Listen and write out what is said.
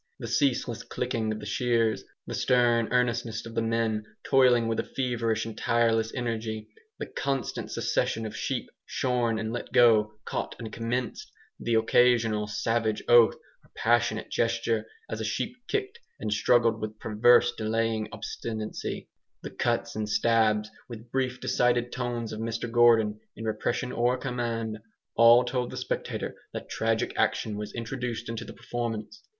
The ceaseless clicking of the shears the stern earnestness of the men, toiling with a feverish and tireless energy the constant succession of sheep shorn and let go, caught and commenced the occasional savage oath or passionate gesture, as a sheep kicked and struggled with perverse delaying obstinacy the cuts and stabs, with brief decided tones of Mr Gordon, in repression or command all told the spectator that tragic action was introduced into the performance.